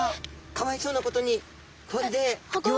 かわいそうなことにこれで。